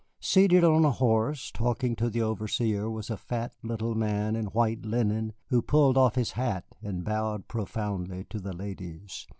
Seated on a horse talking to the overseer was a fat little man in white linen who pulled off his hat and bowed profoundly to the ladies.